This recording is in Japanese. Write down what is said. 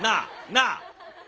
なあ？